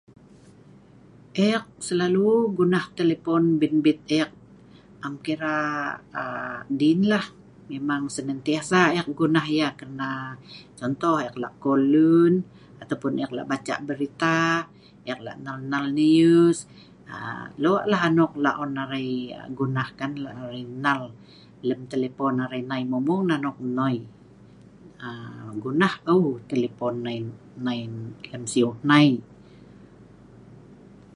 Eek selalu gunah telepon bimbit eek. Am kira aa din lah memang senantiasa eek gunah yeh kerna contoh eek lo la kol ataupun eek la' baca' berita eek la' nnal nnal news aa loe' la anok la on arai gunahkan arai nnal la' lem telepon arai mueng mueng anok nnoi. Gunah ou' telepon nai lem sieu hnai